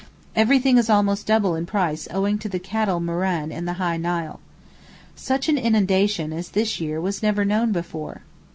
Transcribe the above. Everything is almost double in price owing to the cattle murrain and the high Nile. Such an inundation as this year was never known before.